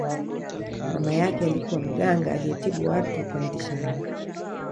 mama yake alikuwa mganga aliyetibu watu kwa mitishamba